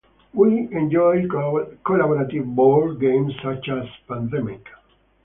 We enjoy collaborative board games such as Pandemic.